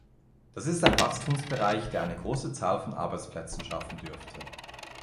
Das ist ein Wachstumsbereich, der eine große Zahl von Arbeitsplätzen schaffen dürfte.